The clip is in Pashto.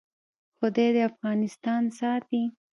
خدای دې افغانستان ساتي؟